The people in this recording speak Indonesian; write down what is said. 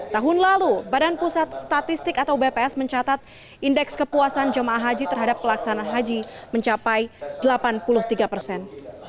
tahun lalu badan pusat statistik atau bps mencatat indeks kepuasan jemaah haji terhadap pelaksana haji mencapai delapan puluh tiga persen